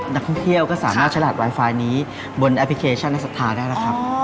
นักท่องเที่ยวก็สามารถฉลาดไวไฟนี้บนแอปพลิเคชันนักศรัทธาได้แล้วครับ